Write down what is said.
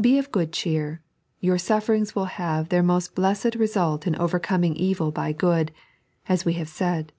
Be t^ good cheer, your sufferings will have their most blessed result in overcoming evil by good, as we have said.